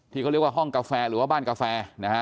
ที่เขาเรียกว่าห้องกาแฟหรือว่าบ้านกาแฟนะฮะ